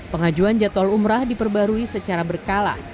pengajuan jadwal umrah diperbarui secara berkala